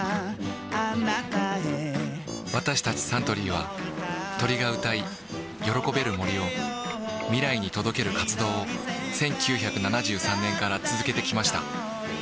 私たちサントリーは鳥が歌い喜べる森を未来に届ける活動を１９７３年から続けてきました